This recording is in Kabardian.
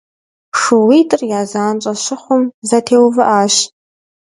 Шууитӏыр я занщӏэ щыхъум, зэтеувыӏащ.